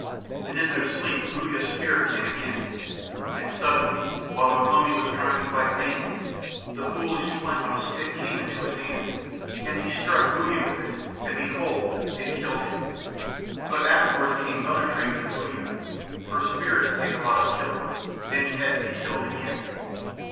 And in their sleep Uya's spirit came again, and suddenly, while Ugh lomi was trying to fight vainly, the foolish flint on the stick came into his hand, and he struck Uya with it, and behold! it killed him. But afterwards came other dreams of Uya for spirits take a lot of killing, and he had to be killed again.